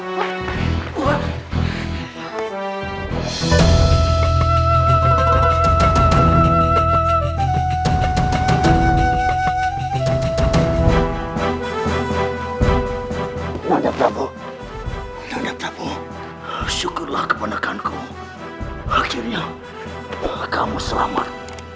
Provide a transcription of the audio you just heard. nanda prabowo nanda prabowo syukurlah kebenakanku akhirnya kamu selamat